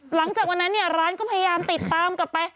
หลังจากวันนั้นเนี่ยร้านก็พยายามติดตามกลับไป